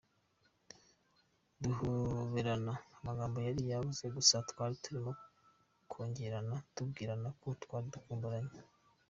Duhoberana, amagambo yari yabuze, gusa twari turimo kongorerana tubwirana ko twari dukumburanye.